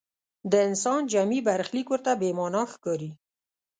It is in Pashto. د انسان جمعي برخلیک ورته بې معنا ښکاري.